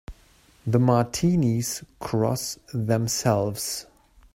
The Martinis cross themselves.